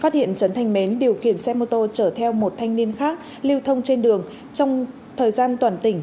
phát hiện trần thanh mến điều khiển xe mô tô chở theo một thanh niên khác lưu thông trên đường trong thời gian toàn tỉnh